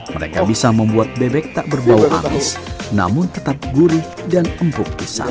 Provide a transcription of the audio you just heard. mereka bisa membuat bebek tak berbau amis namun tetap gurih dan empuk di sana